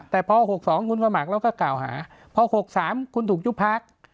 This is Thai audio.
แต่พอ๖๒คุณสมัครแล้วก็กล่าวหาพอ๖๓คุณถูกยุบพัก